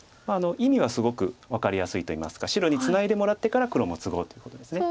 まあ意味はすごく分かりやすいといいますか白にツナいでもらってから黒もツごうということです。